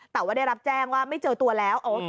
แต่ว่าได้รับแจ้งว่าไม่เจอตัวแล้ว